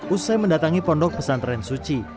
usai mendatangi pondok pesantren suci